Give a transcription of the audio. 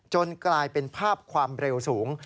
กลายเป็นภาพความเร็วสูง